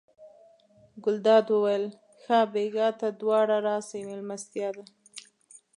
ګلداد وویل ښه بېګا ته دواړه راسئ مېلمستیا ده.